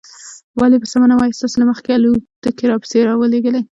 ولې په سمه نه وایاست؟ تاسې له مخکې الوتکې را پسې را ولېږلې.